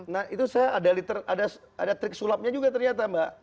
nah itu saya ada trik sulapnya juga ternyata mbak